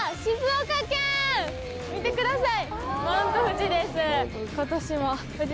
見てください！